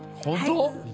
本当？